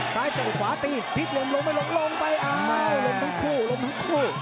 ซ้ายเจ้าขวาตีพริกลงลงไม่ลงลงไปอ้าวลงทั้งคู่ลงทั้งคู่